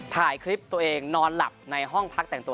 ถ่ายคลิปตัวเองนอนหลับในห้องพักแต่งตัว